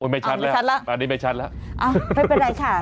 ไม่ชัดแล้วอันนี้ไม่ชัดแล้วอ่าไม่เป็นไรค่ะ